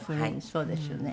そうですよね。